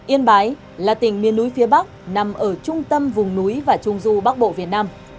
yên bái là tỉnh miền núi phía bắc nằm ở trung tâm vùng núi và trung du bắc bộ việt nam